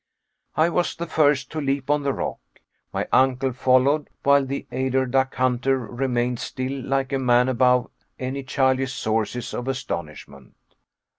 I was the first to leap on the rock. My uncle followed, while the eider duck hunter remained still, like a man above any childish sources of astonishment.